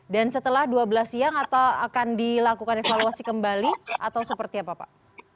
setelah dua belas siang atau akan dilakukan evaluasi kembali atau seperti apa pak